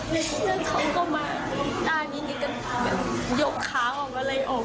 แล้วเขาก็มาต้านี้เก๊ก็หยกขาของอะไรออก